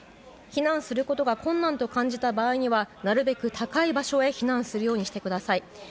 避難することが困難と感じた場合にはなるべく高い場所へ避難するようにしてください。